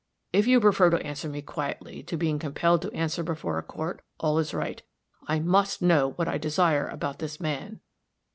If you prefer to answer me quietly to being compelled to answer before a court, all is right. I must know what I desire about this man."